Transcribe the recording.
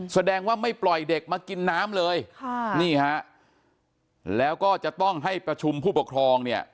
แสดงว่าไม่ปล่อยเด็กมากินน้ำเลยค่ะนี่ฮะแล้วก็จะต้องให้ประชุมผู้ปกครองเนี่ย